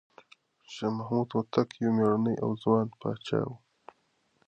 شاه محمود هوتک یو مېړنی او ځوان پاچا و.